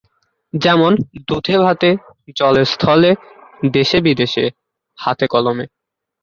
যেমন: দুধে-ভাতে, জলে-স্থলে, দেশে-বিদেশে, হাতে-কলমে।